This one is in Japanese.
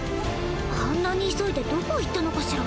あんなに急いでどこ行ったのかしら？